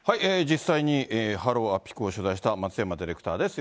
実際に、ハロウ安比校を取材した松山ディレクターです。